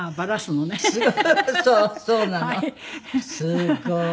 すごい。